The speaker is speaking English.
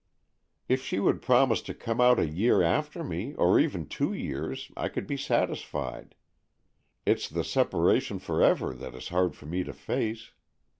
"If she would promise to come out a year after me, or even two years, I could be satis fied. It's the separation for ever that is hard for me to face.